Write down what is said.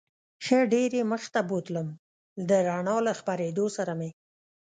ښه ډېر یې مخ ته بوتلم، د رڼا له خپرېدو سره مې.